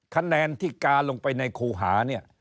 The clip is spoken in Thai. คะแนนที่กาลงไปในครูหาเนี่ย